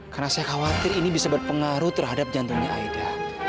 karena saya khawatir ini bisa berpengaruh terhadap jantungnya aida